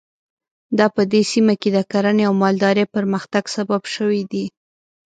دا په دې سیمه کې د کرنې او مالدارۍ پرمختګ سبب شوي دي.